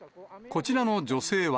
こちらの女性は。